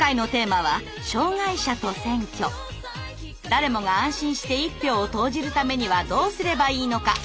誰もが安心して一票を投じるためにはどうすればいいのか。